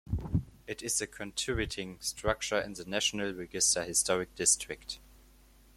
It is a contributing structure in the National Register Historic District.